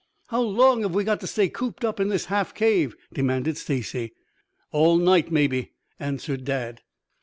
"How long have we got to stay cooped up in this half cave?" demanded Stacy. "All night, maybe," answered Dad.